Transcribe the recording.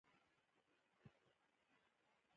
ایران او پاکستان موږ ته په سرطان بدل شوي دي